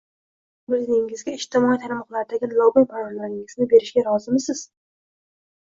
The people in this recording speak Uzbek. Bir biringizga ijtimoiy tarmoqlardagi login-parollaringizni berishga rozimisiz?...